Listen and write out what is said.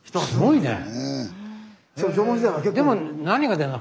すごいねぇ。